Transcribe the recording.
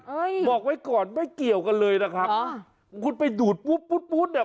บอกไว้ก่อนไม่เกี่ยวกันเลยนะครับอ่าคุณไปดูดปุ๊บปุ๊ดปุ๊บเนี่ย